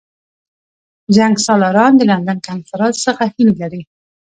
جنګسالاران د لندن کنفرانس څخه هیلې لري.